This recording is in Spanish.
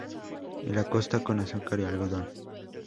Y la costa con azúcar y algodón.